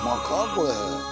これ。